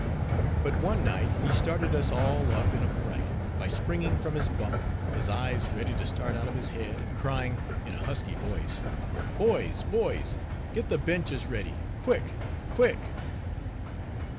But one night he started us all up in a fright, by springing from his bunk, his eyes ready to start out of his head, and crying, in a husky voice—"Boys! boys! get the benches ready! Quick, quick!"